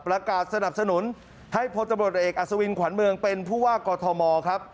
ประกาศสนับสนุนให้พลตบริษัทเอกอสุวินขวัญเมืองเป็นผู้ว่ากฐมอลครับ